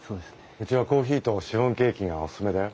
うちはコーヒーとシフォンケーキがオススメだよ。